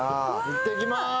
いってきます。